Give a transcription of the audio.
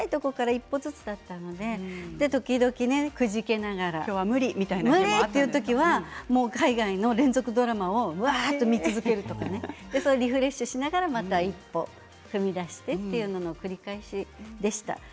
小さいところから一歩ずつだったので時々くじけながらもう無理という時は海外の連続ドラマをたくさん見続けるとかリフレッシュしながら一歩一歩踏み出すという繰り返しでした。